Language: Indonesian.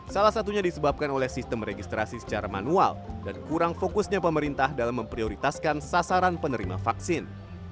salah satunya disebabkan oleh sistem registrasi secara manual dan kurang fokusnya pemerintah dalam memprioritaskan sasaran penerima vaksin